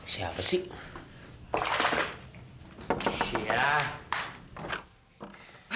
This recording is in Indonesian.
siapa sih ya